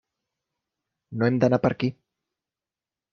No hem d'anar per aquí!